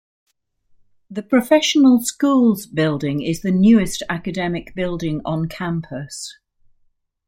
The Professional Schools Building is the newest academic building on campus.